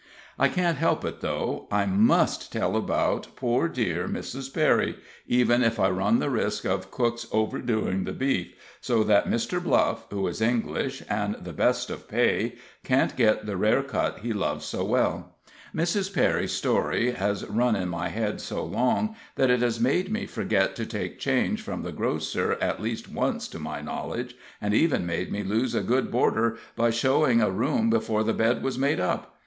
I can't help it, though I must tell about poor dear Mrs. Perry, even if I run the risk of cook's overdoing the beef, so that Mr. Bluff, who is English, and the best of pay, can't get the rare cut he loves so well. Mrs. Perry's story has run in my head so long, that it has made me forget to take change from the grocer at least once to my knowledge, and even made me lose a good boarder, by showing a room before the bed was made up.